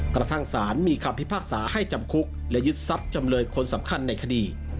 กระทั่งสารมีคำพิพากษาให้จำคุกและยึดทรัพย์จำเลยคนสำคัญในคดี